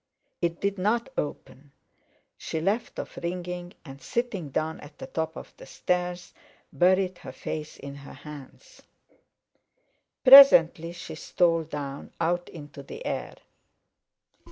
It did not open; she left off ringing, and, sitting down at the top of the stairs, buried her face in her hands. Presently she stole down, out into the air.